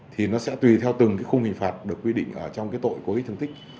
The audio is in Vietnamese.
thì nó sẽ tùy theo từng cái khung hình phạt được quy định ở trong cái tội cố ý thương tích